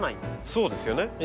そうですよね。